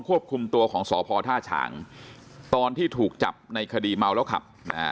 ควบคุมตัวของสพทชังตอนที่ถูกจับในคดีเมาแล้วครับ